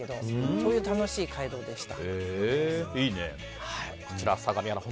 そういう楽しい街道でした。